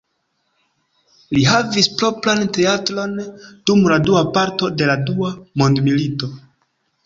Li havis propran teatron dum la dua parto de la dua mondmilito.